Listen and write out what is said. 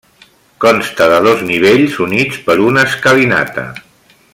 Consta de dos nivells units per una escalinata.